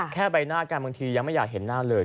แค่ใบหน้ากันบางทียังไม่อยากเห็นหน้าเลย